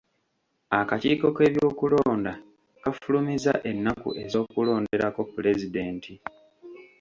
Akakiiko k'ebyokulonda kafulumizza ennaku ez'okulonderako pulezidenti.